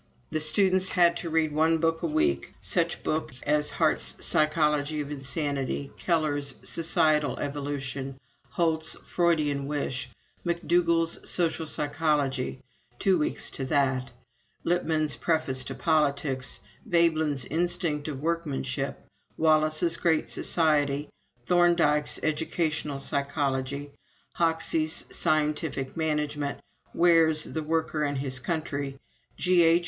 The students had to read one book a week such books as Hart's "Psychology of Insanity," Keller's "Societal Evolution," Holt's "Freudian Wish," McDougall's "Social Psychology," two weeks to that, Lippmann's "Preface to Politics," Veblen's "Instinct of Workmanship," Wallas's "Great Society," Thorndike's "Educational Psychology," Hoxie's "Scientific Management," Ware's "The Worker and his Country," G.H.